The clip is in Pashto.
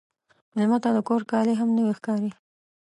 مېلمه ته د کور کالي هم نوی ښکاري.